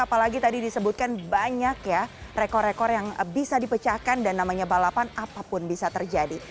apalagi tadi disebutkan banyak ya rekor rekor yang bisa dipecahkan dan namanya balapan apapun bisa terjadi